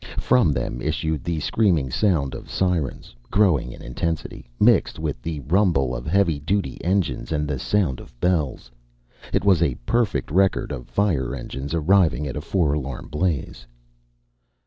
From them issued the screaming sound of sirens, growing in intensity, mixed with the rumble of heavy duty engines and the sound of bells. It was a perfect record of fire engines arriving at a four alarm blaze.